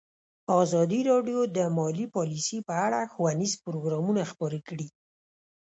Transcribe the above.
ازادي راډیو د مالي پالیسي په اړه ښوونیز پروګرامونه خپاره کړي.